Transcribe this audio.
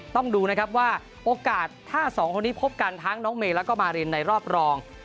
ต้องดูนะครับว่าโอกาสถ้าสองคนนี้พบกันทั้งน้องเมย์แล้วก็มารินในรอบรอง